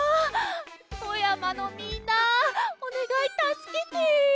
富山のみんなおねがいたすけて。